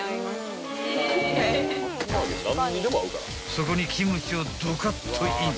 ［そこにキムチをドカッとイン］